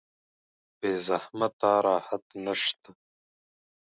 بې زحمت راحت نشته